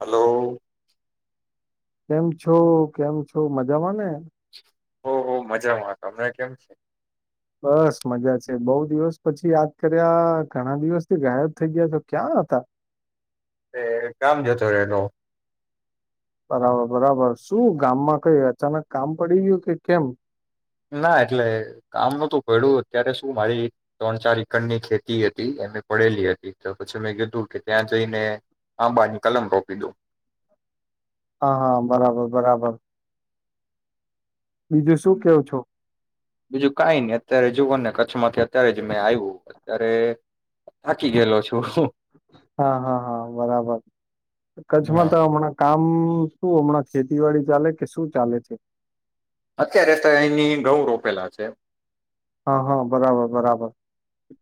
Hello, કેમ છો, કેમ છો, મજામાં ને. ઓહ હો મજામાં તમે કેમ છો? બસ મજા છે, બઉ દિવસ પછી યાદ કર્યા ઘણા દિવસથી ગાયબ થઈ ગયા તા ક્યાં હતા? એ કામ જતો રહેેનો. બરાબર બરાબર શું ગામમાં કઈ અચાનક કામ પડી ગયું કે કેમ ના એટલે કામ નોતું પડ્યું અત્યારે શું મારી ત્રણ ચાર એકર ની ખેતી હતી એમે પડેલી હતી તો પછી મેં કીધું કે ત્યાં જઈને આંબાની કલમ રોપી દઉ. હા-હા બરાબર-બરાબર. કેવ છો? બીજું કાઈ નઈ અત્યારે જોવોને કચ્છમાંથી અત્યારે જ મેં આયું. અરે થાકી ગયેલો છું. હા હા હા બરાબર કચ્છમાં હા તો હમણા કામ આ શું હમણાં ખેતીવાડી ચાલે કે શું ચાલે છે. અત્યારે તો એની ઘઉં રોપેલા છે. હા હા બરાબર બરાબર.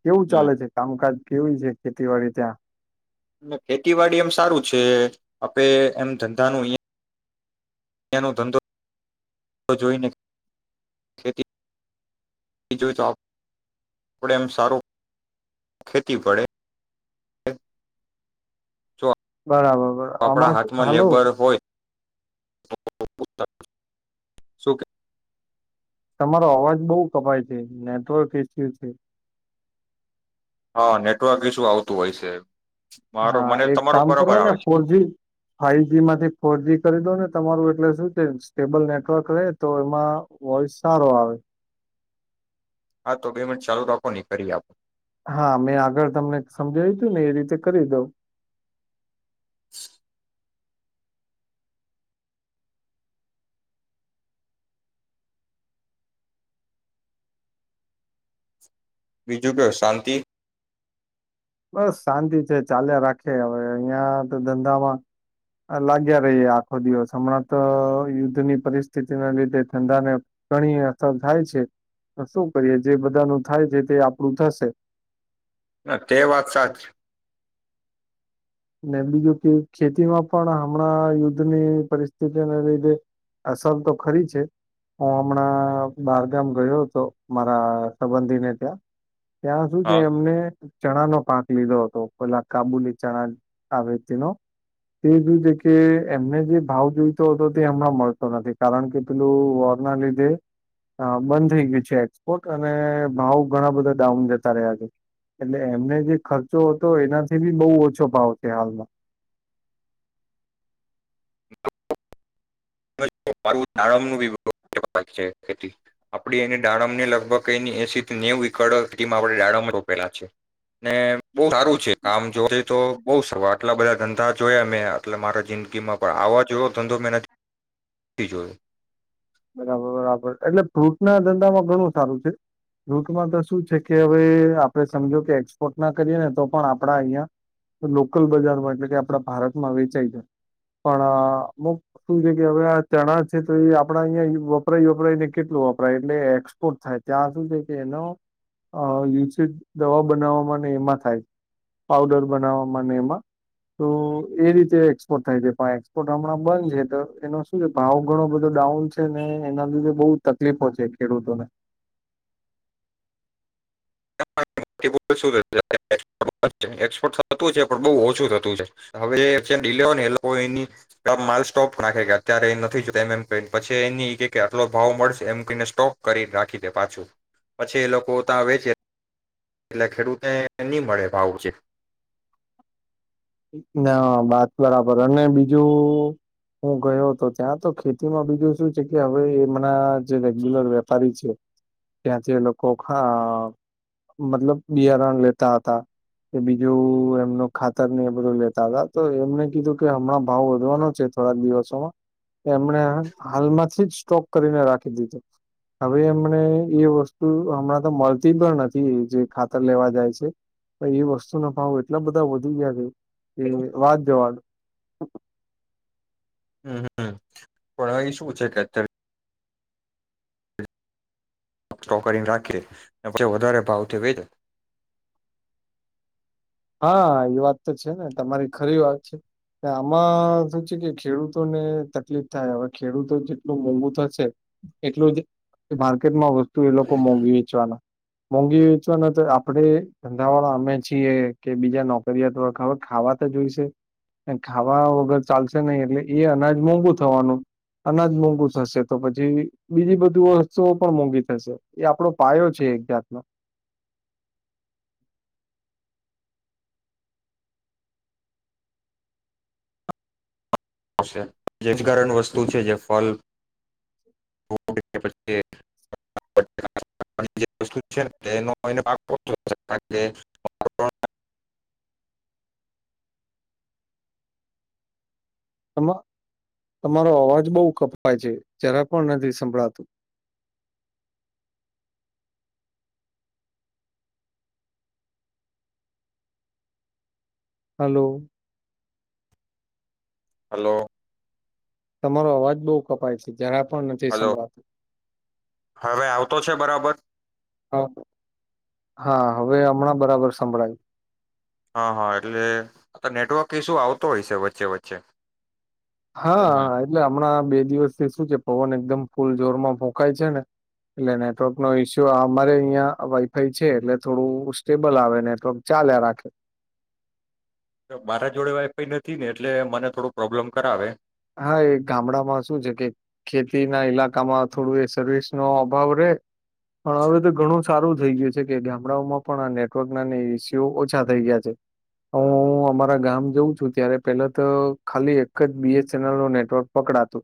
કેવું હમ ચાલે છે કામકાજ? કેવી છે ખેતીવાડી ત્યાં? એમ ખેતીવાડી એમ સારું છે, આપે એમ ધંધાનું ઐયા એનો ધંધો જોઈને ખેતી જોઈ તો આપડ એમ સારો ખેતી પડે. જો બરાબર બરા આપણા આમા હાથમાં હલો. લેબર હોય શું તમારો અવાજ બહુ કપાય છે નેટવર્ક ઈસ્યુ છે. હા નેટવર્ક ઇસ્યૂ આવતું હોય છે. મારો હા મને એક તમારો કામ બરાબર કરો ને આવે છે ફોરજી ફાઈવજી માંથી ફોરજી કરી દો ને તમારું એટલે શું છે સ્ટેબલ નેટવર્ક રહેે તો એમાં વોઈસ સારો આવે. હા તો બે મિનીટ ચાલુ રાખો ને કરી આપ હા મેં આગળ તમને સમજાવ્યું તું ને એ રીતે કરી દઉં. બીજું કયો શાંતિ? બસ શાંતિ છે ચાલ્યા રાખે હવે અહિયાં તો ધંધામાં લાગ્યા રહીએ આખો દિવસ હમણાં તો યુદ્ધની પરિસ્થિતિના લીધે ધંધાને ઘણી અસર થાય છે તો શું કરીએ જે બધાનું થાય છે તે આપણું થશે. હા તે વાત સાચી. ને બીજું કે ખેતીમાં પણ હમણાં યુદ્ધની પરિસ્થિતિને લીધે અસર તો ખરી છે હું હમણાં બારગામ ગયો હતો મારા સંબંધીને ત્યાં ત્યાં શું છે હા એમને ચણા નો પાક લીધો હતો પેલા કાબુલી ચણા આ વ્યક્તિનો ત્રીજુ જે કે એમને જે ભાવ જોઈતો હતો તે હમણાં મળતો નથી કારણ કે પેલું વોર ના લીધે બંધ થઈ ગઈ છે એક્સપોર્ટ અને ભાવ ઘણા બધા ડાઉન જતા રહ્યા છે એટલે એમને જે ખર્ચો હતો એનાથી બી બહુ ઓછો ભાવ છે હાલમાં. [inaudible] ખેતી આપની એને દાડમને લગભગ એ એસીથી નેવું એકડેમાં આપણે ડાડમ રોપેલા છે. ને બહું સારું છે કામ જો તો બઉુ સવા આટલા બધા ધંધા જોયા મેં આટલે મારા જિંદગીમાં પણ આવા જેવો ધંધો મેં નથી જોએ બરાબર બરાબર એટલે ફ્રૂટ ના ધંધામાં ઘણું સારું છે ફ્રૂટમાં તો શું છે કે હવે આપડે સમજો કે એક્સપોર્ટ ના કરીએ ને તો પણ આપડા અહીિયાયા લોકલ બજારમાં એટલે કે આપડા ભારતમાં વેચાય જાય પણ અમુક શું છે કે હવે આ ચણા છે તો એ આપણા અહીં વપરાય વપરાયને કેટલું વપરાય એટલે એક્સપોર્ટ થાય ત્યાં શું છે કે એનો યુઝ દવા બનાવવામાં એમાં થાય છે પઉડર બનાવવામાં એમાં તો એ રીતે એક્સપોર્ટ થાય છે પણ એક્સપોર્ટ હમણાં બંધ છે તો એનો શું છે ભાવ ઘણો બધો ડાઉન છે ને એના લીધે બહ તકલીફો છે ખેડૂતોને. [inaudible] એક્સપોર્ટ થતું છે પણ બહ ઓછું થતું છે હવે ડીલે હોય ને એ લોકો એ માલ સ્ટોપ નાખે એપઅત્યારે નથી જોતા એમ એમ પછી એ કે આટલો ભાવ મળશે એમ કને સ્ટોક કરી રાખી દે પાછું પછી એ લોકો ત્યાં વેચે એટલે ખેડૂતેને નહી મળે ભાવું છે. ના વાત બરાબર અને બીજું હું ગયો હતો ત્યાં તો ખેતીમાં બીજું શું છે કે હવે એમના જે રેગ્યુલર વેપારી છે ત્યાંથી એ લોકો મતલબ બિયારણ લેતા હતા એ બીજું એમનું ખાતરની બધું લેતા હતા તો એમને કીધું કે હમણાં ભાવ વધવાનો છે થોડાક દિવસોમાં એમણે હાલમાંથી જ સ્ટોક કરીને રાખી દીધું હવે એમને એ વસ્તુ હમણાં તો મળતી પણ નથી જે ખાતર લેવા જાય છે પણ એ વસ્તુના ભાવ એટલા બધા વધી ગયા છે. એ વાત જવા દો. હમમ. પણ અહીં શું છે કે અત્યારે ો કરીને રાખીએ અને પછી વધારે ભાવથી વેચીએ. હા એ વાત તો છે ને તમારી ખરી વાત છે. આમાં શું છે કે ખેડૂતોને તકલીફ થાય હવે ખેડૂતો જેટલું મોંઘુ થશે એટલું જ માર્કેટમાં વસ્તુ એ લોકો મોંઘી વેચવાના, મોંઘી વેચવાના તો આપણે ધંધાવાળા અમે છીએ કે બીજા નોકરીયાત વર્ગ. હવે ખાવા તો જોઈશે અને ખાવા વગર ચાલશે નહીં. એટલે એ અનાજ મોંઘુ થવાનું, અનાજ મોંઘુ થશે તો પછી બીજી બધી વસ્તુઓ પણ મોંઘી થશે. એ આપડો પાયો છે એક જાતનો. આવશે. જૈવિકરણ વસ્તુ છે જે ફળ [inaudible] આમાં તમારો અવાજ બહુ કપાય છે જરા પણ નથી સંભળાતું. હલો. હલો તમારો અવાજ બહુ કપાય છે. જરા પણ નથી હલો. સંભળાતો હવે આવતો છે બરાબર? હા. હા, હવે હમણાં બરાબર સંભળાયું. હા હા એટલે નેટવર્ક ઈશુ આવતો હશે વચ્ચે વચ્ચે. હમ હા. એટલે હમણાં બે દિવસથી શું છે પવન એકદમ ફૂલ જોરમાં ફોંકાય છે ને એટલે નેટવર્ક નો ઈસ્યુ અમારે અહિંયા વાઈફાઈ છે એટલે થોડું સ્ટેબલ આવે નેટવર્ક ચાલ્યા રાખે. મારા જોડે વાઇફાઇ નથી ને એટલે મને થોડું પ્રોબ્લેમ કરાવે. હા એ ગામડામાં શું છે કે ખેતી ના ઈલાકામાં થોડું એ સર્વિસ નો અભાવ રે, પણ હવે તો ઘણું સારું થઈ ગયું છે કે ગામડાઓમાં પણ આ નેટવર્ક ના ઈસ્યુ ઓછા થઈ ગયા છે. હું અમારા ગામ જાઉં છું ત્યારે પેલા તો ખાલી એક જ બી ચેનલ નું નેટવર્ક પકડાતું,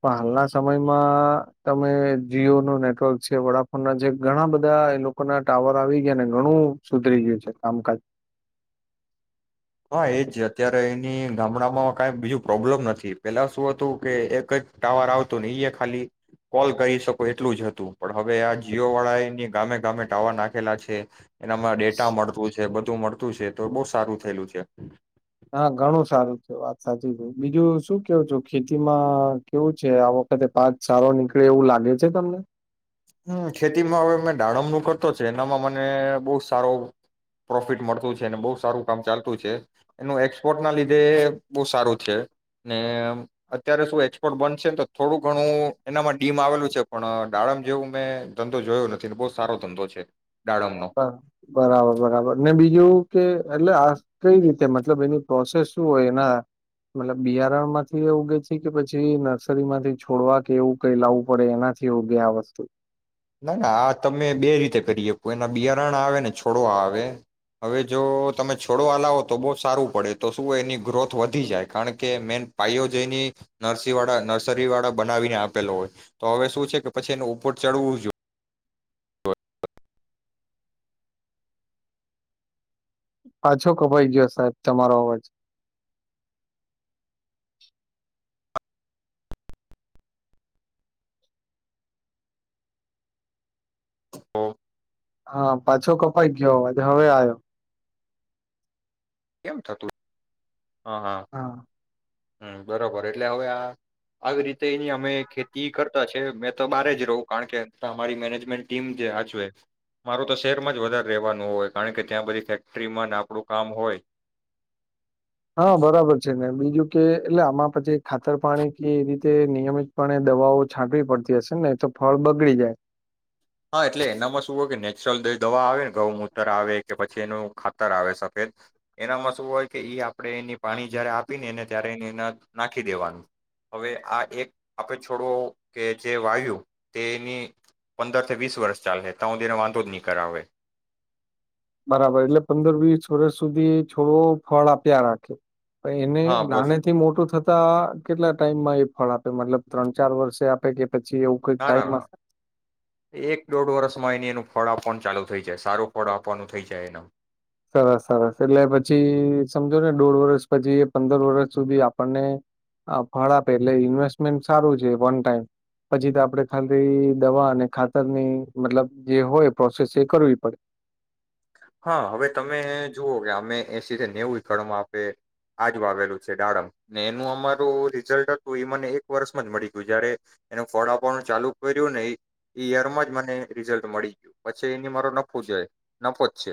પણ હાલના સમયમાં તમે જીઓનું નેટવર્ક છે, વડાફોનના જે ઘણા બધા એ લોકો ના ટાવર આવી ગયા ને ઘણું સુધરી ગયું છે કામકાજ. હા એજ અત્યારે એની ગામડામાં કઈ બીજું પ્રોબ્લેમ નથી. પેલા શું હતું કે એક જ ટાવર આવતું ને એ ખાલી કોલ કરી શકો એટલું જ હતું, પણ હવે આ જીઓ વાળા એની ગામે ગામે ટાવર નાખેલા છે. એનામાં ડેટા મળતું છે, બધું મળતું છે, તો બઉુ સારું થયેલું છે. ક્યાંક હા ઘણું સારું છે. વાત સાચી છે. બીજું શું કેવું છું, ખેતીમાં કેવું છે? આ વખતે પાક સારો નીકળે એવું લાગે છે તમને? હ ખેતીમાં હવે મેં દાડમનું કરતો છે. એનામાં મને બહુ સારો પ્રોફિટ મળતું છે અને બહુ સારું કામ ચાલતું છે. એનું એક્સપોર્ટના લીધે બહુ સારું છે, ને અત્યારે શું એક્સપોર્ટ બંધ છે ને તો થોડું ઘણું એનામાં ડીમ આવેલું છે પણ દાડમ જેવું મેં ધંધો જોયો નથી ને બહુ જ સારો ધંધો છે. દાડમનો બરાબર બરાબર. ને બીજું કે એટલે આ કઈ રીતે મતલબ એની પ્રોસેસ શું હોય? એના મતલબ બિયારણમાંથી ઉગે છે કે પછી નર્સરી માંથી છોડવા કે એવું કઈ લાવવું પડે એનાથી ઉગે આ વસ્તુ? ના ના આ તમે બે રીતે કરી શકો એના બિયારણા આવે ને છોડવા આવે. હવે જો તમે છોડવા લાવો તો બહુ સારું પડે તો શું હોય એની ગ્રોથ વધી જાય કારણ કે મેન પાયો જ એની નર્સી વાળા નર્સરી વાળા બનાવીને આપેલો હોય તો હવે શું છે કે પછી એને ઉપર ચડવું જો પાછો કપાઈ ગયો સાહેબ તમારો અવાજ. તો હા પાછો કપાઈ ગયો અવાજ. હવે આવ્યો. કેમ થતું હા હા. હમ બરોબર એટલે હવે આ આવી રીતે એની અમે ખેતી કરતા છે. મેં તો બહાર જ રહું કારણ કે અમારી મેનેજમેન્ટ ટીમ જ હાચવે. મારેતો શહેરમાં જ વધારે રેવાનું હોય કારણ કે ત્યાં બધી ફેક્ટરીમાં આપણું કામ હોય. હા બરાબર છે ને બીજું કે એટલે આમાં પછી ખાતર પાણી કે એ રીતે નિયમિતપણે દવાઓ છાંટવી પડતી હશે ને નહીંતો ફળ બગડી જાય. હા એટલે એનામાં શું હોય કે નેચરલ દવા આવેને, ગઉ મૂતર આવે કે પછી એનું ખાતર આવે સફેદ એનામાં શું હોય કે એ આપણે એની પાણી જયારે આપી ને એને ત્યારે એને એના નાખી દેવાનું, હવે આ એક આપણે છોડવો કે જે વાયુ તે એની અંદર વીસ વર્ષ ચાલે તા સુધી એને વાંધો જ નહીં કરાવે. બરાબર એટલે પંદર વીસ વર્ષ સુધી છોડવો ફળ આપ્યા રાખે. પણ એને હા બસ નાને થી મોટું થતા કેટલા ટાઈમ માં એ ફળ આપે? મતલબ ત્રણ-ચાર વર્ષે આપે કે? પછી એવું કઈક ના ના ટાઈમ ના. એક દોઢ વર્ષમાં એને એનું ફળ આપવાનું ચાલુ થઈ જાય. સારું ફળ આપવાનું થઈ જાય એનું. સરસ સરસ એટલે પછી સમજો ને દોઢ વર્ષ પછી એ પંદર વર્ષ સુધી આપણને ફળ આપે એટલે ઈન્વેસ્ટમેન્ટ સારું છે, વન ટાઈમ. પછી તો આપણે ખાલી દવા અને ખાતરની મતલબ જે હોય પ્રોસેસ એ કરવી પડે. હા હવે તમે જુવઓ કે અમે એસી ધે નેવું ખળમા આપે આજ વાવેલું છે દાડમ ને એનું અમારું રિઝલ્ટ હતું એ મને એક વર્ષમાં જ મળી ગયું જયારે એનું ફળ આપવાનું ચાલુ કર્યું ને ઈયરમાં જ મને રિઝલ્ટ મળી ગયું પછી એની મારો નફો જ હોય. નફો જ છે.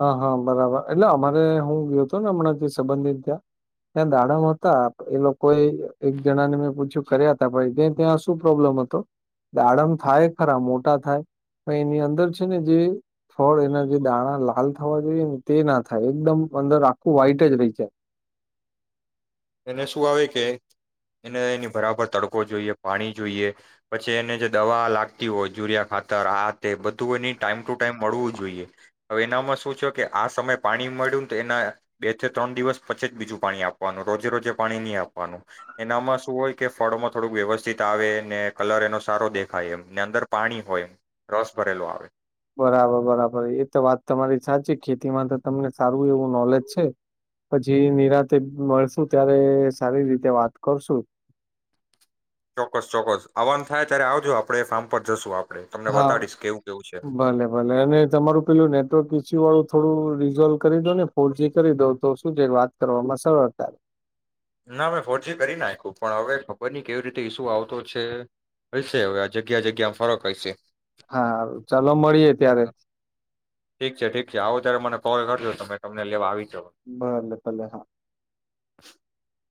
હા હા બરાબર, એટલે અમારે હું ગ્યો તો ને હમણાં જે સંબંધી ને ત્યાં ત્યાં દાડમ હતા એ લોકો કોઈ એક જણા ને મેં પૂછ્યું કર્યા હતા ભાઈ તે ત્યાં શું પ્રોબ્લમ હતો દાડમ થાય ખરા મોટા થાય પણ એની અંદર છે ને જે ફળ એના જે દાણા લા લાલ થવા જોઈએ ને તે ના થાય એકદમ અંદર આખું વહાઈટ જ રહી જાય. એને શું આવે કે એને એની બરાબર તડકો જોઈએ, પાણી જોઈએ. પછી એને જે દવા લાગતી હોય યુરિયા ખાતર આ તે બધું એની ટાઈમ ટુ ટાઈમ મળવું જોઈએ. હવે એનામાં શું છે કે આ સમય પાણી મળ્યું ને તો એના બે થી ત્રણ દિવસ પછી જ બીજું પાણી આપવાનું. રોજે રોજે પાણી નહી આપવાનું એનામાં શું હોય કે ફળમાં થોડુંક વ્યવસ્થિત આવે ને કલર એનો સારો દેખાય એમ ને અંદર પાણી હોય રસ ભરેલો આવે. બરાબર બરાબર એ તો વાત તમારી સાચી ખેતીમાં તો તમને સારું એવું નોલેજ છે. પછી નિરાતે મળશુ ત્યારે સારી રીતે વાત કરશું. ચોક્કસ ચોક્કસ આવાનુ થાય ત્યારે આવજો આપડે એ ફાર્મ પર જશું આપ હા ભલે ભલે અને તમારું પેલું નેટવર્ક [unintelligible] વાળું થોડું રિઝોલ્વ કરી દો ને ફોરજી કરી દો તો શું છે વાત કરવામાં સરળ થાય. ના મે ફોરજી કરી નાખ્યું, પણ હવે ખબર નઇ કેવી રીતે ઈસુ આવતો છે હશે હવે જગ્યા જગ્યામાં ફરક હયશે. હા હારું ચાલો મળીએ ત્યારે અ ઠીક છે ઠીક છે આવો તારે મને કોણ લાગ્યો [unintelligible] તમે તમને લેવા આવી જાવ [unintelligible] હા [inaudible]